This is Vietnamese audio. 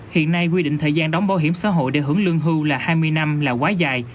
hiện nay quy định thời gian đóng bảo hiểm xã hội để hưởng lương hưu là hai mươi năm là quá dài